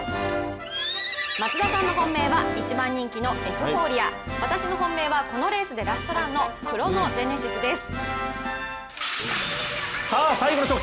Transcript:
松田さんの本命は、一番人気のエフフォーリア私の本命はこのレースでラストランのクロノジェネシスです。